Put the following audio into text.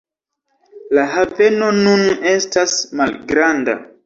La haveno nun estas malgranda.